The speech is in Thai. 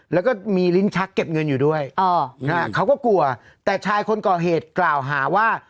แล้วก็มีลิ้นชักเก็บเงินอยู่ด้วยเขาก็กลัวแต่ชายคนก่อเหตุกล่าวหาว่า